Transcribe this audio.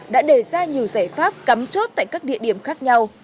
đã đề ra nhiều giải pháp cắm chốt tại các địa điểm khác nhau